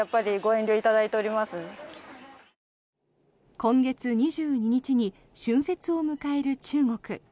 今月２２日に春節を迎える中国。